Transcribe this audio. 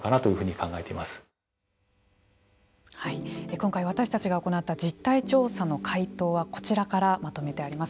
今回私たちが行った実態調査の回答はこちらからまとめてあります。